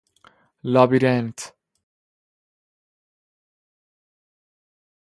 لابیرنت